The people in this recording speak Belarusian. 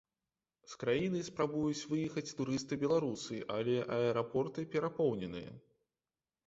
З краіны спрабуюць выехаць турысты-беларусы, але аэрапорты перапоўненыя.